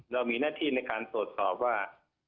เรามีหน้าที่ในการตรวจสอบว่า